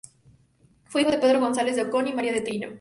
Fue hijo de Pedro González de Ocón y María de Trillo.